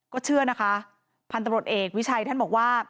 ก็เชื่อนะคะพันธุ์ตำรวจเอกวิชัยท่านบอกว่า